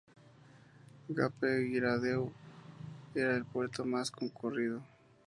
Cape Girardeau era el puerto más concurrido.